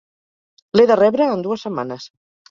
L'he de rebre en dues setmanes.